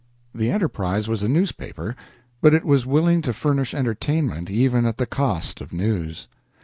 The "Enterprise" was a newspaper, but it was willing to furnish entertainment even at the cost of news.